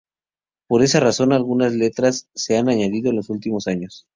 Por esta razón, algunas letras se han añadido en los últimos años.